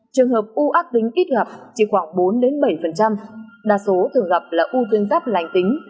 trường hợp u ác tính ít gặp chỉ khoảng bốn bảy đa số thường gặp là u tuyến giáp lành tính